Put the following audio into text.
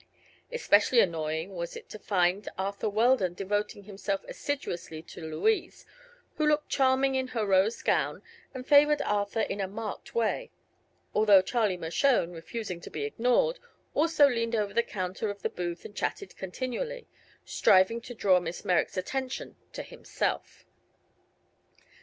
Especially annoying was it to find Arthur Weldon devoting himself assiduously to Louise, who looked charming in her rose gown and favored Arthur in a marked way, although Charlie Mershone, refusing to be ignored, also leaned over the counter of the booth and chatted continually, striving to draw Miss Merrick's attention to himself.